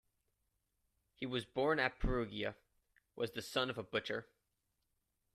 He was born at Perugia, was the son of a butcher.